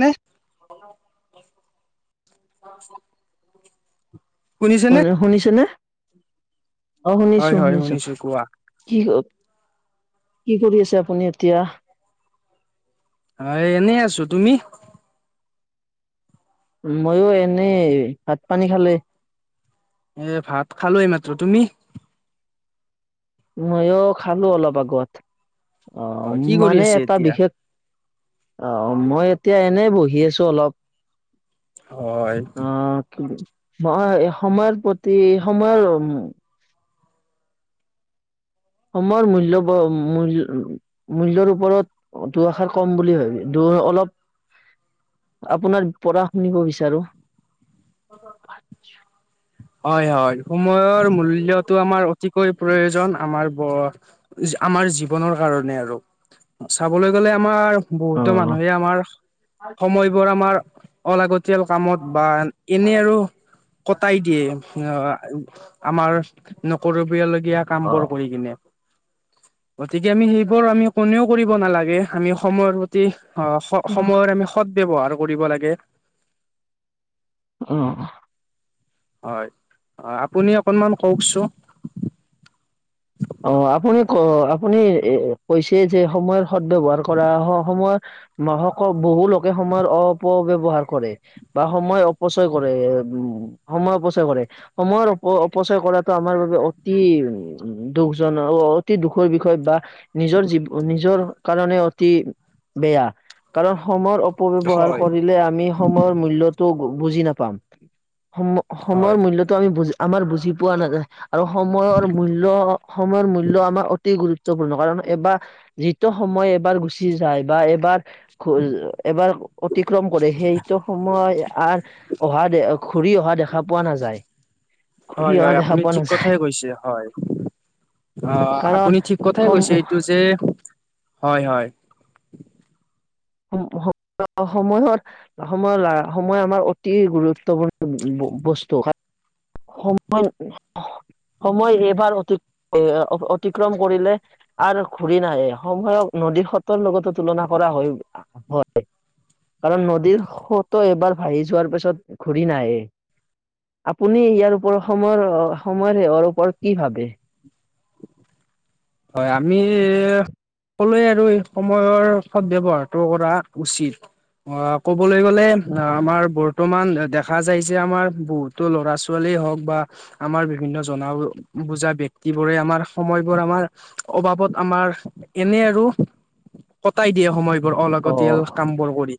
নে [unintelligible] [unintelligible] শুনিছে শু, নে? শুনিছনে? অ, শুনিছো। হয় হয় শুনিছো। কোৱা। কি কি কৰি আছে? আপুনি এতিয়া অ', এনেই আছো তুমি? মইয়ো এনেই ভাত পানী খালে। এ', ভাত খালো এই মাত্ৰ। তুমি? মইয়ো খালো অলপ আগত। অ, হয় কি কৰি মানে আছে এটা এতিয়া? বিশেষ অ, মই এতিয়া এনেই বহি আছো অলপ হয় অ, [unintelligible] হয়। সময়ৰ প্ৰতি সময়ৰ উ, সময়ৰ মূল্য ব মূল্য মূল্যৰ ওপৰত অ', দুআষাৰ কম বুলি ভাবি দু অলপ আপোনাৰ পৰা শুনিব বিচাৰো। [unintelligible] হয়। হয়। সময়ৰ মূল্যটো আমাৰ অতিকৈ প্ৰয়োজন আমাৰ ব আমাৰ জীৱনৰ কাৰণে আৰু চাবলৈ গলে আমাৰ অ বহুতো মানুহে আমাৰ সময়বোৰ আমাৰ অলাগতিয়াল কামত বা এনেই আৰু কটাই দিয়ে। সিহ আমাৰ নকৰিবলগীয়া কাম বোৰ কৰি কিনে। গতিকে আমি সেইবোৰ আমি কোনেও কৰিব নালাগে। আমি সময়ৰ প্ৰতি তি অ, অ সময়ৰ আমি সদ ব্যৱহাৰ কৰিব লাগে। অ', হয়। আপুনি অকনমান কওকচো অ', আপুনি ক আপুনি এ কৈছে যে সময়ৰ সদ ব্যৱহাৰ কৰা সময়ৰ মহক বহু লোকে সময়ৰ অপব্যৱহাৰ কৰে। বা সময় অপচয় কৰে। এ, সময় অপচয় কৰে। সময়ৰ অপ অপচয় কৰাটো আমাৰ বাবে অতি উ, দুখ জনক অতি দুখৰ বিষয় বা নিজৰ জীৱ নিজৰ কাৰণে অতি বেয়া কাৰণ সময়ৰ অপব্যৱহাৰ হয় কৰিলে আমি সময়ৰ মূল্যটো বুজি নাপাম সময় হয় সময়ৰ মূল্যটো আমি বুজ আমাৰ বুজি পোৱা নাযায় আৰু সময়ৰ মূল্য সময়ৰ মূল্য আমাৰ অতি গুৰুত্ব ত্বপূৰ্ণ কাৰণ এবাৰ যিটো সময় এবাৰ গুচি যায় বা এবাৰ খুজ এবাৰ অতিক্ৰম কৰে সেইটো সময় আ অহা দে ঘূৰি অহা দেখা পোৱা নাযায় ঘুৰি অহা দেখা পোৱা নাযায় হৈছে হয় অ কাৰণ আপুনি ঠিক কথাই সম কৈছে এইটো যে হয় হয় সম হ অ সময়ৰ সময় সময় আমাৰ অতি গুৰুত্বপূৰ্ণ ব বস্তু কাৰ সময় সময় এইবাৰ অতি এ অতিক্ৰম কৰিলে আৰু ঘূৰি নাহে সময়ক নদী সোতৰ লগতো তুলনা কৰা হয় হয় কাৰণ নদীৰ সোতো এবাৰ ভাহি যোৱাৰ পিছত ঘূৰি নাহে আপুনি ইয়াৰ ওপ সময়ৰ সময়ৰ ইয়াৰ ওপৰত কি ভাবে হয় আমি সকলোৱে আৰু সময়ৰ সৎ ব্যৱহাৰটো কৰা উচিত অ ক'বলৈ গলে অ আমাৰ বৰ্তমান দেখা যাই যে আমাৰ বহুত তো ল'ৰা ছোৱালীয়ে হওক বা আমাৰ বিভিন্ন জনা বুজা ব্যক্তিবোৰে আমাৰ সময়বোৰ আমাৰ অবাবত আমাৰ এনে আৰু কটাই দিয়ে সময় ৰ অ অলাগতিয়াল কাম বোৰ কৰি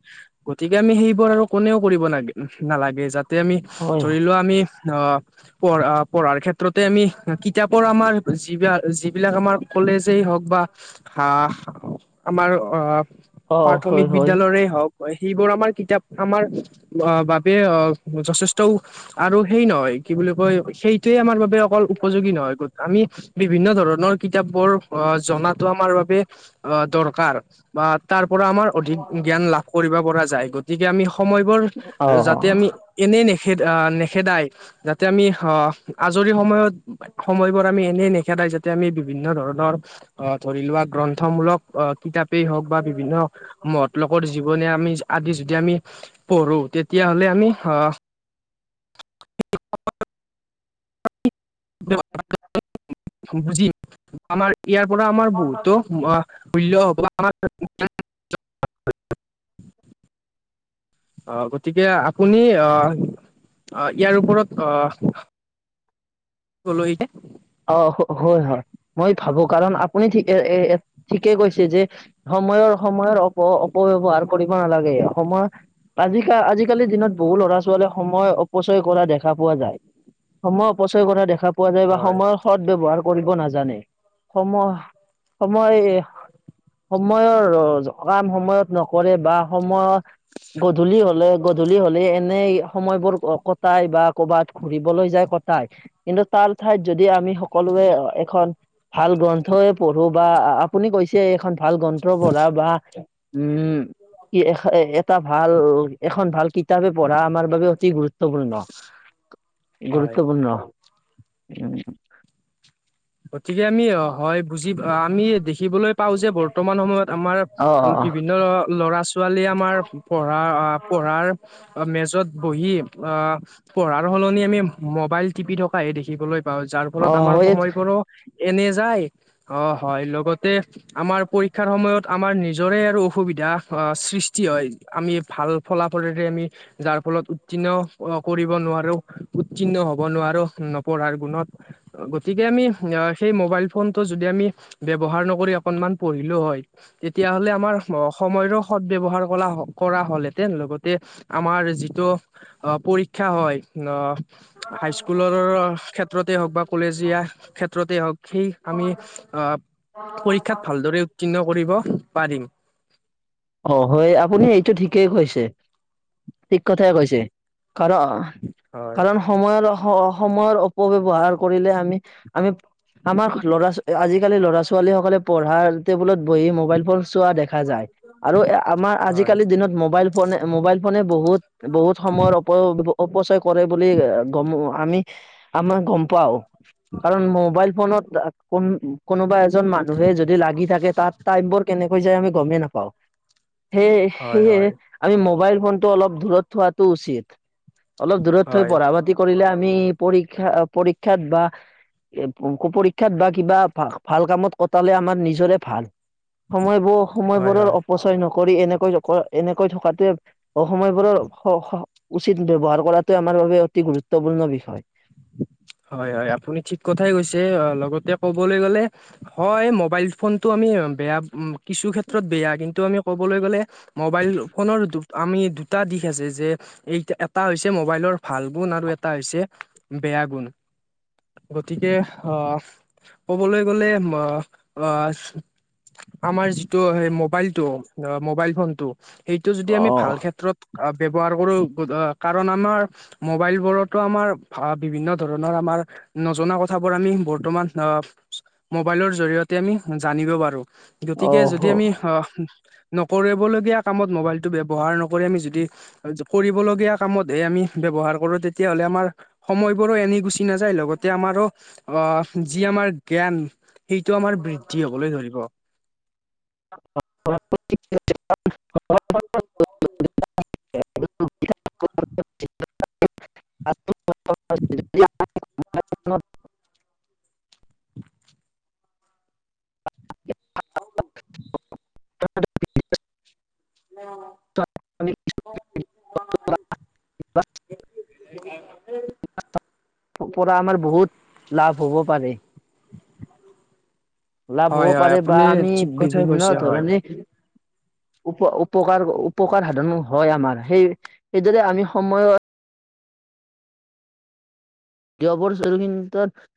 গতিকে আমি সেইবোৰ আৰু কোনেও কৰিব নালাগে যাতে তে আমি হয় ধৰি লোৱা আমি অ পঢ় পঢ়াৰ ক্ষেত্ৰতে আমি কিতাপৰ আমাৰ যিবিলাক যিবিলাক আমাৰ কলেজেই হওক বা আহ আমাৰ অ অ হয় প্ৰাথমিক হয় বিদ্যালয়ৰে হওক হয় সেইবোৰ আমাৰ কিতাপ আমাৰ বাবে যথেষ্ট ও আৰু সেই নহয় কি বুলি কয় সেইটোৱে আমাৰ বাবে অকল উপযোগী নহয় আমি বিভিন্ন ধৰণৰ কিতাপ বোৰ অ জনাতো আমাৰ বাবে অ দৰকাৰ বা তাৰ পৰা আমাৰ অধিক জ্ঞান লাভ কৰিব পৰা যায় গতিকে আমি সময়বোৰ যাতে অ আমি এনেই নেখেদ আ নেখেদায় যাতে আমি আহ আজৰি সময়ত সময়বোৰ আমি এনে নেখেদাই [inaudible] য়া আমি বিভিন্ন ধৰণৰ আহ ধৰি লোৱা গ্ৰন্থমূলক আহ কিতাপেই হওঁক বা বিভিন্ন। মহৎলোকৰ জীৱনি আমি আদি যদি আমি পঢ়ো তেতিয়াহ'লে আমি আহ। এক [unintelligible] [unintelligible] বুজিম আমাৰ ইয়াৰ পৰা আমাৰ বহুতো ব হ'ব আমাৰ [unintelligible] অ, গতিকে আপুনি আহ ইয়াৰ ওপৰত আহ। ক'লো এই যে। [unintelligible] অ, হয়, হয় মই ভাবো কাৰণ আপুনি ঠিক এ ঠিকে কৈছে যে। সময়ৰ, সময়ৰ অপ অপব্যৱহাৰ কৰিব নালাগে, সময়। আজিকাল আজিকালিৰ দিনত বহু ল'ৰা ছোৱালীয়ে সময় অপচয় কৰা দেখা পোৱা যায়। সময়ৰ অপচয় কৰা দেখা পোৱা যায় বা হয় সময়। সৎ ব্যৱহাৰ কৰিব নাজানে সময়, সময়। সময়ৰ ৰজ, কাম সময়ত নকৰে বা সময়ত গধূলি হ'লে, গধূলি হ'লে এনেই সময়বোৰ কটাই বা কৰ'বাত ঘুৰিবলৈ যায় কটাই, কিন্তু তাৰ ঠাইত যদি আমি সকলোৱে এখন ভাল গ্ৰন্থও পঢ়ো বা আপুনি কৈছে এখন ভাল গ্ৰন্থ পঢ়া বা, উম। কি এ এটা ভাল এখন ভাল কিতাপে পঢ়া আমাৰ বাবে অতি গুৰুত্ব গুৰুত্বপূৰ্ণ, হয় গুৰুত্বপূৰ্ণ উ। গতিকে আমি অ হয় বুজি আমি দেখিবলৈ পাও যে, বৰ্তমান সময়ত আমাৰ অ বিভিন্ন ল ল'ৰা ছোৱালীয়ে আমাৰ পঢ়া পঢ়াৰ মেজত বহি আহ পঢ়াৰ সলনি আমি মবাইল টিপি থকাহে দেখিবলৈ পাওঁ। যাৰ ফলত অ আমাৰ হয় সময়বোৰো এনে যায়, অ হয় লগত তে আমাৰ পৰীক্ষাৰ সময়ত আমাৰ নিজৰে আৰু অসুবিধা সৃষ্টি হয়। আমি ভাল ফলাফলেৰে আমি যাৰ ফলত উত্তীৰ্ণ কৰিব নোৱাৰো, উত্তীৰ্ণ হব নোৱাৰো নপঢ়াৰ গুণত। অ গতি কে যদি আমি সেই মোবাইল ফোনটো যদি আমি ব্যৱহাৰ নকৰি অকনমান পঢ়িলো হয়। তেতিয়াহ'লে আমাৰ সময়ৰো সদ ব্যৱহাৰ কলা কৰা হ'লহেঁতেন লগতে আমাৰ যিটো আহ পৰীক্ষা হয়, আহ হাইস্কুলৰ ক্ষেত্ৰতে হওক বা কলেজীয়া ক্ষেত্ৰতে হওঁক। সেই আমি আহ পৰীক্ষাত ভালদৰে উত্তীৰ্ণ কৰিব পাৰিম। অ হয়। আপুনি এইটো ঠিকেই কৈছে ঠিক কথাই কৈছে। কাৰণ হয় কাৰণ সময়ৰ, সময়ৰ অপব্যৱহাৰ কৰিলে আমি আমি আমাৰ লৰা আজিকালি ল'ৰা ছোৱালী সকলে পঢ়াৰ টেবুলত বহি মোবাইল ফোন চোৱা দেখা যায়। আৰু আমাৰ হয় আজিকালিৰ দিনত মোবাইল ফোনে মোবাইল ফোনে বহুত বহুত সময়ৰ অপব্যৱ অপচয় কৰে বুলি গম আমি আমাক গম পাওঁ। কাৰণ মোবাইল ফোনত কোন কোনোবা এজন মানুহে যদি লাগি থাকে তাত টাইম বোৰ কেনেকৈ যায় আমি গমেই নাপাওঁ। সেয়ে হয় সেয়হে হয় আমি মোবাইল ফোনটো অলপ দূৰত থোৱাটো উচিত। অলপ দূৰত থৈ হয় পঢ়া পাতি কৰিলে আমি পৰীক্ষা পৰীক্ষাত বা এ অংক পৰীক্ষাত বা কিবা ভাল কামত কটালে আমাৰ নিজৰে ভাল। সময়বোৰ হয় সময়বোৰৰ হয় অপচয় নকৰি এনেকৈ এনেকৈ থকাতোৱে সময়বোৰৰ উচিত ব্যৱহাৰ কৰাটো আমাৰ বাবে অতি গুৰুত্বপূৰ্ণ বিষয়। হয়, হয় আপুনি ঠিক কথাই কৈছে অ লগতে ক'বলে গলে, হয় মোবাইল ফোনটো আমি বেয়া কিছু ক্ষেত্ৰত বেয়া কিন্তু আমি ক'বলৈ গ'লে মোবাইল ফোনৰ আমি দুটা দিশ আছে যে, এই এটা হৈছে মোবাইলৰ ভাল গুণ, আৰু এটা হৈছে বেয়া গুণ। গতিকে আহ কবলৈ গ'লে আহ, আমাৰ যিটো স মবাইলতটো মোবাইল ফোনটো, সেইটো যদি আমি ভাল আহ ক্ষেত্ৰত, অ ব্যৱহাৰ কৰো কাৰণ আমাৰ মোবাইল বোৰতো আমাৰ বিভিন্ন, ধৰণৰ আমাৰ নজনা কথাবোৰ আমি বৰ্তমান আহ, মোবাইলৰ জৰিয়তে আমি জানিব পাৰো। গতিকে আহ যদি আমি আহ, নকৰিবলগীয়া কামত মোবাইলটো ব্যয়ৱহাৰ নকৰি আমি যদি, কৰিবলগীয়া কামতহে আমি ব্যৱহাৰ কৰো, তেতিয়াহ'লে আমাৰ সময় বোৰো এনে গুচি নাযায়, লগতে আমাৰো অ যি আমাৰ জ্ঞান, সেইটো আমাৰ বৃদ্ধি হবলৈ ধৰিব। [unintelligible] [unintelligible] [unintelligible] [inaudible] [unintelligible] [unintelligible] [unintelligible] আছেই। পৰা আমাৰ বহুত লাভ হ'ব পাৰে। লাভ হয় হ'ব হয় পাৰে বা আপুনি আমি ঠিক কথাই বিভিন্ন কৈছে হয়। ধৰণে- উপ উপকাৰ উপকাৰ সাধন হয় আমাৰ, সেই সেইদৰে আমি সময়ৰ- যবৰ চেলিনতত-